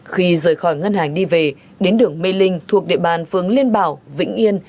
khi rời khỏi ngân hàng đi về đến đường mê linh thuộc địa bàn phường liên bảo vĩnh yên